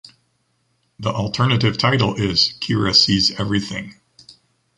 The alternative title is “Kira sees everything”.